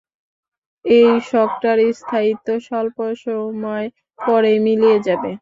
এই শকটার স্থায়িত্ব স্বল্প সময় পরেই মিলিয়ে যাবে।